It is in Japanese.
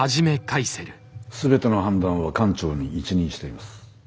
全ての判断は艦長に一任しています。